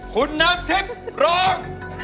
คุณน้ำทิพย์ร้อง